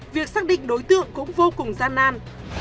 việc xác định đối tượng cũng vô cùng gian nan